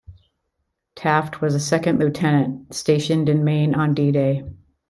Taft was a second lieutenant stationed in Maine on D-Day.